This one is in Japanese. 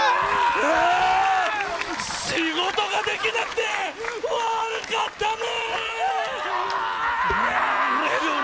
仕事ができなくて悪かったね。